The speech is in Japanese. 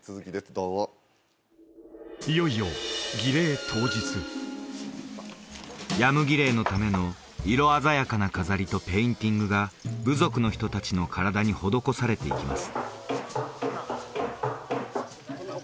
どうぞいよいよ儀礼当日ヤム儀礼のための色鮮やかな飾りとペインティングが部族の人達の体に施されていきます